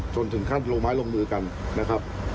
จนถึงขั้นลงไม้ลงมือกันนะครับ